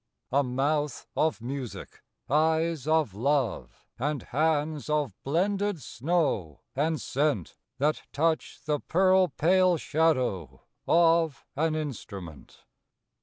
A mouth of music; eyes of love; And hands of blended snow and scent, That touch the pearl pale shadow of An instrument.